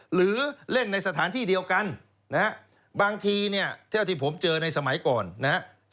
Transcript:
หรือเล่นในสถานที่เดียวกันนะฮะบางทีเนี่ยเท่าที่ผมเจอในสมัยก่อนนะฮะ